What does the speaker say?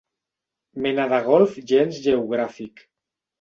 Mena de Golf gens geogràfic.